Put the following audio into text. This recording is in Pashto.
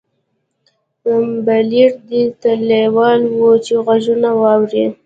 بليير دې ته لېوال و چې غږونه واوري.